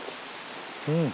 うん！